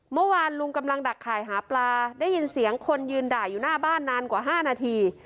เมื่อวานลุงกำลังดักข่ายหาปลาได้ยินเสียงคนยืนด่าอยู่หน้าบ้านนานกว่า๕นาที